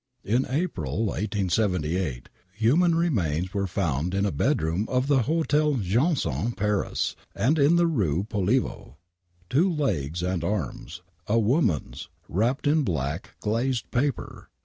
In April 1878, human remains were found in a bedroom of the Hotel Jeanson,, Paris, in the Kue Poliveau. Two legs and arms, a woman's, wrapped in black, glazed paper